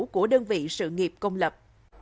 của đơn vị sự nghiệp công lập